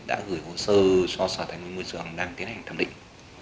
đã gửi hồ sơ cho sở tài nguyên môi trường đang tiến hành thẩm định